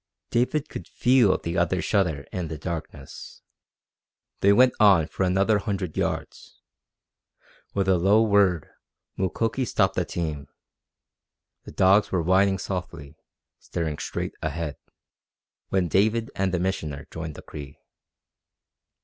David could feel the other's shudder in the darkness. They went on for another hundred yards. With a low word Mukoki stopped the team. The dogs were whining softly, staring straight ahead, when David and the Missioner joined the Cree.